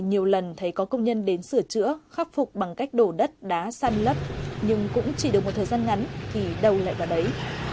nhiều lần thấy có công nhân đến sửa chữa khắc phục bằng cách đổ đất đá săn lấp nhưng cũng chỉ được một thời gian ngắn thì đâu lại vào đấy